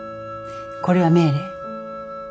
これは命令。